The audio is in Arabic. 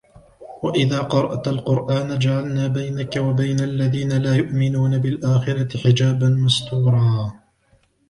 وإذا قرأت القرآن جعلنا بينك وبين الذين لا يؤمنون بالآخرة حجابا مستورا